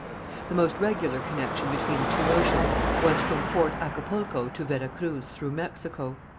The most regular connection between the two oceans was from Fort Acapulco to Vera Cruz, through Mexico.